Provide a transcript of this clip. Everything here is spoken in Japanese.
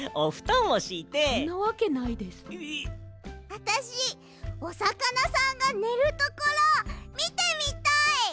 あたしおさかなさんがねるところみてみたい。